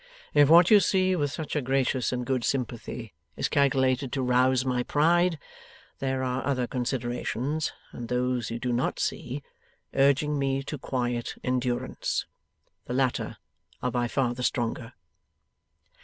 If what you see with such a gracious and good sympathy is calculated to rouse my pride, there are other considerations (and those you do not see) urging me to quiet endurance. The latter are by far the stronger.